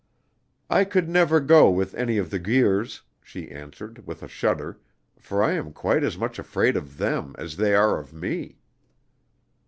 "I could never go with any of the Guirs," she answered, with a shudder, "for I am quite as much afraid of them as they are of me."